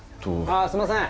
あっすいません。